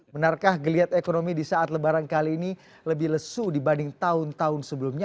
benarkah geliat ekonomi di saat lebaran kali ini lebih lesu dibanding tahun tahun sebelumnya